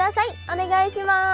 お願いします！